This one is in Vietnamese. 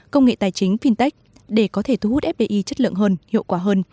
công nghệ tài chính fintech để có thể thu hút fdi chất lượng hơn hiệu quả hơn